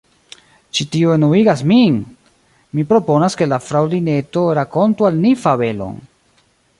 Ĉi tio enuigas min! Mi proponas ke la Fraŭlineto rakontu al ni fabelon.